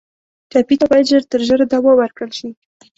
ټپي ته باید ژر تر ژره دوا ورکړل شي.